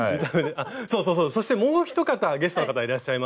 そうそうそうそしてもう一方ゲストの方いらっしゃいます。